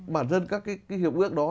bản thân các cái hiệu ước đó